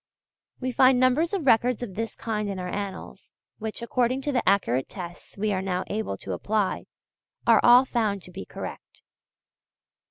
We find numbers of records of this kind in our Annals, which, according to the accurate tests we are now able to apply, are all found to be correct.